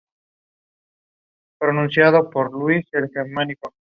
De estas vestimentas evolucionó hacia dos direcciones.